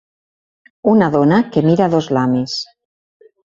Una dona que mira dos lames.